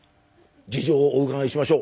事情をお伺いしましょう。